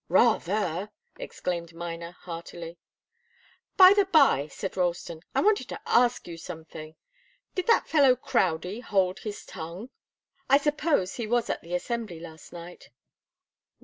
"Rather!" exclaimed Miner, heartily. "By the bye," said Ralston, "I wanted to ask you something. Did that fellow Crowdie hold his tongue? I suppose he was at the Assembly last night."